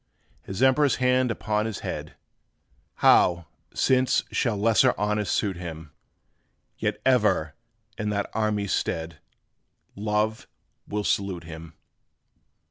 His Emperor's hand upon his head! How, since, shall lesser honors suit him? Yet ever, in that army's stead, Love will salute him.